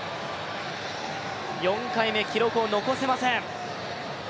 ４回目、記録を残せません。